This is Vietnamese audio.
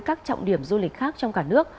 các trọng điểm du lịch khác trong cả nước